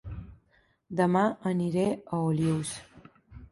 Dema aniré a Olius